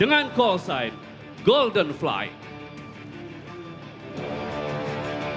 akan kita saksikan flight selanjutnya